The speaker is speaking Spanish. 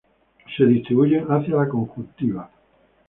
Se distribuyen hacia la conjuntiva.